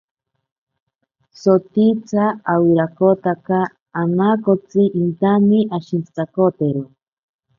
Sotitsa owirakotaka anaakotsi intane ashintsitakotero.